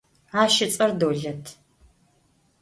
Ащ ыцӏэр Долэт.